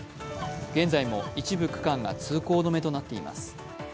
現在も一部区間が通行止めとなっています。